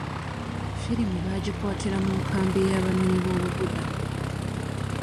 Firimu baagikwatira mu nkambi y'abanoonyiboobubudamu.